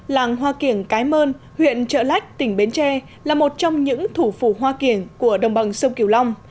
làng hoa kiểng cái mơn huyện trợ lách tỉnh bến tre là một trong những thủ phủ hoa kiểng của đồng bằng sông kiều long